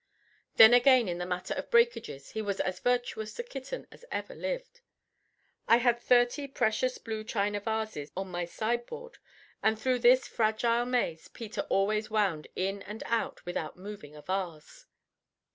Then again in the matter of breakages he was as virtuous a kitten as ever lived. I had thirty precious blue china vases on my sideboard, and through this fragile maze Peter always wound in and out without moving a vase.